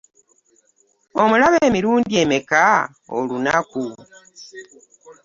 Onaaba emirundi emeka olunaku?